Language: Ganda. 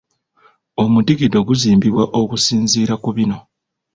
Omudigido guzimbwa okusinziira ku bino.